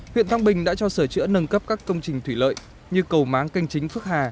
huyện thăng bình đã cho sửa chữa nâng cấp các công trình thủy lợi như cầu máng canh chính phước hà